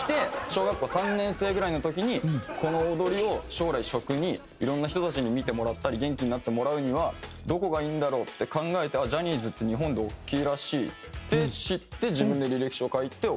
小学校３年生ぐらいの時にこの踊りを将来職にいろんな人たちに見てもらったり元気になってもらうにはどこがいいんだろうって考えてジャニーズって日本で大きいらしいって知って自分で履歴書を書いて。